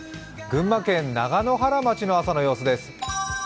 群馬県長野原町の朝の様子です。